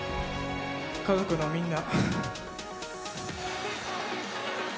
家族のみんな。